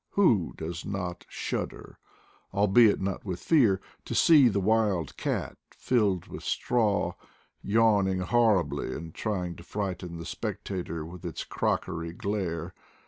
Who does not shud der, albeit not with fear, to see the wild cat, filled with straw, yawning horribly, and trying to frighten the spectator with its crockery glare!